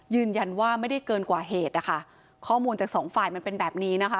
ยืนยันว่าไม่ได้เกินกว่าเหตุนะคะข้อมูลจากสองฝ่ายมันเป็นแบบนี้นะคะ